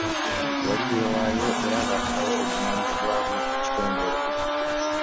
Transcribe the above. Yali yeewayo era ng'afaayo ku buvunanyizibwa bwe mu kitongole.